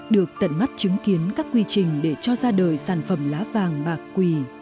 được tận mắt chứng kiến các quy trình để cho ra đời sản phẩm lá vàng bạc quỳ